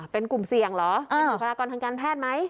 เป็นกลุ่มเสี่ยงเหรอเป็นบุคลากรทางการแพทย์ไหม